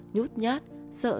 nhút nhát sợ rệt